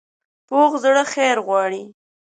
پوخ زړه خیر غواړي